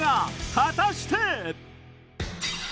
果たして⁉